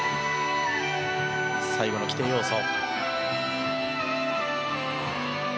最後の規定要素。